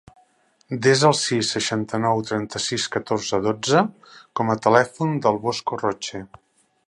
Desa el sis, seixanta-nou, trenta-sis, catorze, dotze com a telèfon del Bosco Roche.